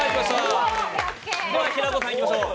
平子さん、いきましょう。